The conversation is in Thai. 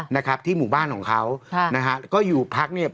นะครับที่หมู่บ้านของเขาค่ะนะฮะก็อยู่พักเนี่ย